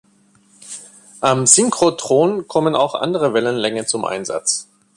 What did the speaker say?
Am Synchrotron kommen auch andere Wellenlängen zum Einsatz.